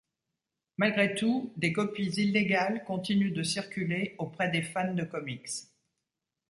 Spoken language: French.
Malgré tout, des copies illégales continuent de circuler auprès des fans de comics.